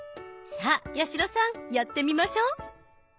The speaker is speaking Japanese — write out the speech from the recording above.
さあ八代さんやってみましょう。